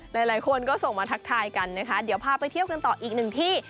หลายคนก็ส่งมาทักทายกันนะคะเดี๋ยวพาไปเที่ยวกันต่ออีกหนึ่งที่